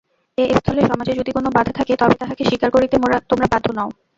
এ স্থলে সমাজে যদি কোনো বাধা থাকে তবে তাহাকে স্বীকার করিতে তোমরা বাধ্য নও।